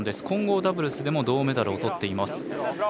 混合ダブルスでも銅メダルをとっています。